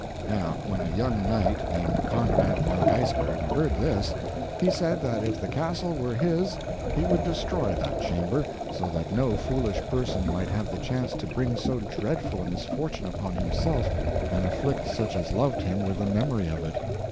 Now when a young knight named Conrad von Geisberg heard this, he said that if the castle were his he would destroy that chamber, so that no foolish person might have the chance to bring so dreadful a misfortune upon himself and afflict such as loved him with the memory of it.